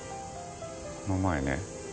この前ね